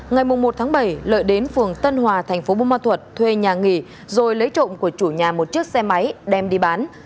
ngày một tháng bảy lợi đến phường tân hòa thành phố bù ma thuật thuê nhà nghỉ rồi lấy trộm của chủ nhà một chiếc xe máy đem đi bán